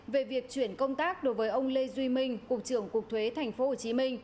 về việc chuyển công tác đối với ông lê duy minh cục trưởng cục thuế tp hcm